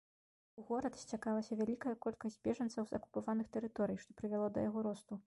У горад сцякалася вялікая колькасць бежанцаў з акупаваных тэрыторый, што прывяло да яго росту.